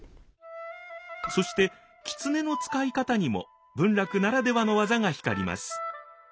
そして狐の遣い方にも文楽ならではの技が光ります。